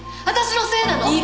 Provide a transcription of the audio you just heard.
私のせいなの？